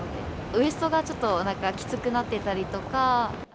ウエストがちょっときつくなってたりとか。